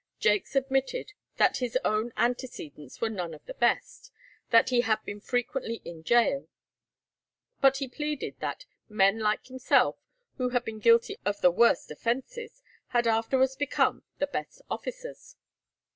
Jaques admitted that his own antecedents were none of the best, that he had been frequently in gaol, but he pleaded that "men like himself, who had been guilty of the worst offences, had afterwards become the best officers."